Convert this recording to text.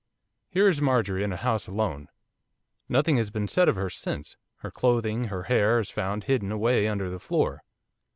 'Here is Marjorie in a house alone nothing has been seen of her since, her clothing, her hair, is found hidden away under the floor.